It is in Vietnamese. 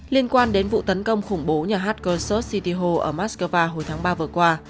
liên quan đến vụ tấn công khủng bố nhà hát kursus city hal ở moscow hồi tháng ba vừa qua